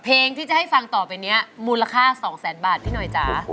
เพลงที่จะให้ฟังต่อไปนี้มูลค่า๒แสนบาทพี่หน่อยจ๋า